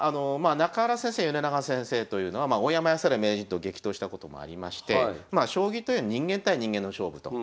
中原先生米長先生というのは大山康晴名人と激闘したこともありましてまあ将棋というのは人間対人間の勝負と。